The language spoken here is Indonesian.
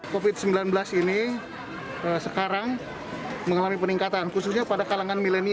covid sembilan belas ini sekarang mengalami peningkatan khususnya pada kalangan milenial